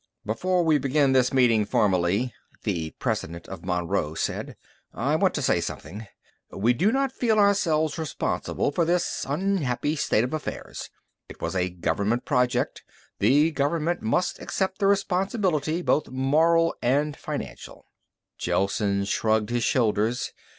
"Before we begin this meeting formally," the president of Monroe said, "I want to say something. We do not feel ourselves responsible for this unhappy state of affairs. It was a government project; the government must accept the responsibility, both moral and financial." Gelsen shrugged his shoulders.